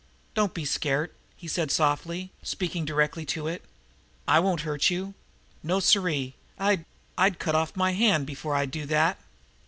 "Don't be scairt," he said softly, speaking directly to it. "I won't hurt you. No, siree, I'd I'd cut off a hand before I'd do that.